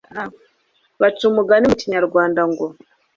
baca umugani mu kinyarwanda ngo